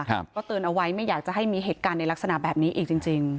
ก็เตือนเอาไว้ไม่อยากจะให้มีเหตุการณ์ในลักษณะแบบนี้อีกจริงจริง